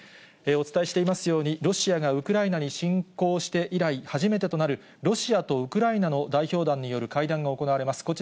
お伝えしていますように、ロシアがウクライナに侵攻して以来、初めてとなるロシアとウクライナの代表団による会談が行われます。